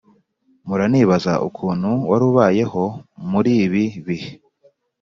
Mpora nibaza ukuntu warubayeho muribi bihe